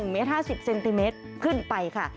๑เมตร๕๐เซนติเมตรขึ้นไปค่ะ